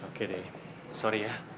oke deh sorry ya